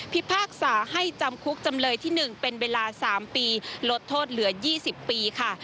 พากษาให้จำคุกจำเลยที่๑เป็นเวลา๓ปีลดโทษเหลือ๒๐ปีค่ะ